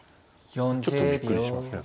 ちょっとびっくりしますね。